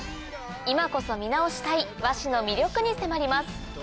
今こそ見直したい和紙の魅力に迫ります。